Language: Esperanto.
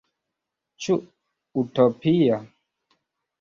Ĉu utopia?